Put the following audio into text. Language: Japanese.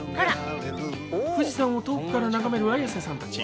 富士山を遠くから眺める綾瀬さんたち。